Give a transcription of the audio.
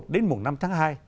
đến mùng năm tháng hai